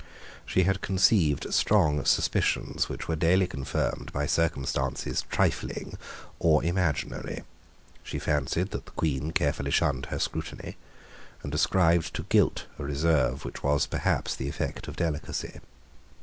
She had conceived strong suspicions which were daily confirmed by circumstances trifling or imaginary. She fancied that the Queen carefully shunned her scrutiny, and ascribed to guilt a reserve which was perhaps the effect of delicacy.